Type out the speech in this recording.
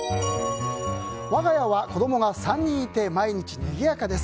我が家は子供が３人いて毎日にぎやかです。